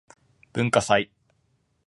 文化祭